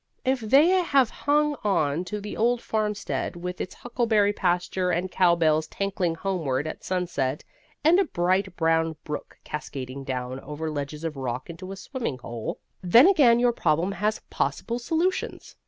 If they have hung on to the old farmstead, with its huckleberry pasture and cowbells tankling homeward at sunset and a bright brown brook cascading down over ledges of rock into a swimming hole, then again your problem has possible solutions.